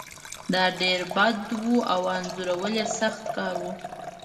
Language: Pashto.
دا ډیر بد و او انځورول یې سخت کار و